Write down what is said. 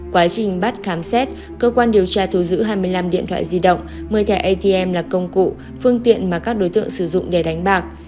quá trình bắt khám xét cơ quan điều tra thu giữ hai mươi năm điện thoại di động một mươi thẻ atm là công cụ phương tiện mà các đối tượng sử dụng để đánh bạc